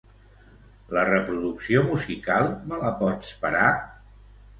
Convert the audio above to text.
La reproducció musical, me la pots parar?